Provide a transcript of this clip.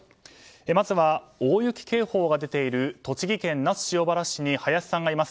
まずは大雪警報が出ている栃木県那須塩原市に林さんがいます。